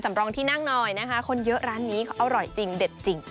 รองที่นั่งหน่อยนะคะคนเยอะร้านนี้เขาอร่อยจริงเด็ดจริง